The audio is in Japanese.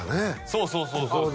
そうそうそうそう